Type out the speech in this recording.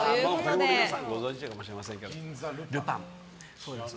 皆さんご存知かもしれませんけどルパン。